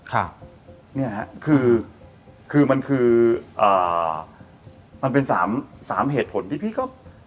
ครับเนี่ยฮะคือคือมันคือเอ่อมันเป็นสามสามเหตุผลที่พี่ก็